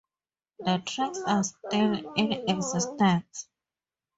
The tracks are still in existence.